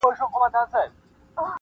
په لغتو مه څیره د خره پالانه-